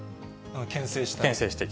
けん制したい。